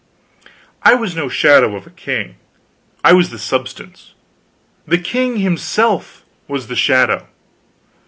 I was no shadow of a king; I was the substance; the king himself was the shadow.